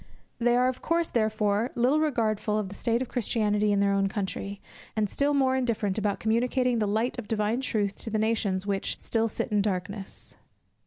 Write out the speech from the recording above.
They are of course therefore, little regardful of the state of Christianity in their own country; and still more indifferent about communicating the light of divine truth to the nations which "still sit in darkness."